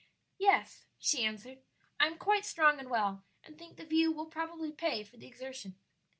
"Yes," she answered; "I am quite strong and well, and think the view will probably pay for the exertion."